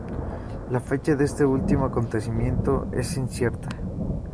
La fecha de este último acontecimiento es incierta.